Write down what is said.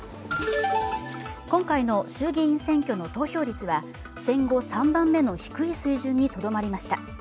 今回の衆議院選挙の投票率は戦後３番目の低い水準にとどまりました。